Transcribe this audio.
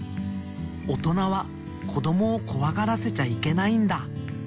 おとなはこどもをこわがらせちゃいけないんだ。